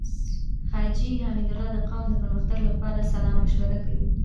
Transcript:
حاجی حميدالله د قوم د پرمختګ لپاره صلاح مشوره کوي.